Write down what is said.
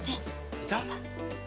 いた？